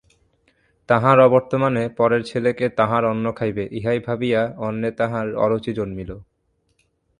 তাঁহার অবর্তমানে পরের ছেলে কে তাঁহার অন্ন খাইবে ইহাই ভাবিয়া অন্নে তাঁহার অরুচি জন্মিল।